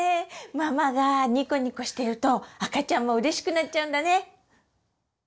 ママがニコニコしていると赤ちゃんもうれしくなっちゃうんだね！